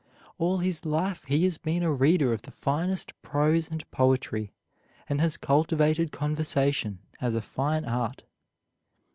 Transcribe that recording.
All his life he has been a reader of the finest prose and poetry, and has cultivated conversation as a fine art.